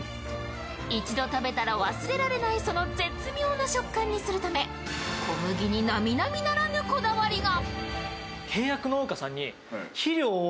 １度食べたら忘れられない、その絶妙な食感にするため小麦になみなみならぬこだわりが。